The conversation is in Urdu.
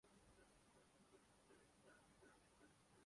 فیڈنگ فرینزی چند ایک اشارے ضرور دیتی ہے